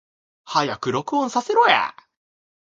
早く録音させろや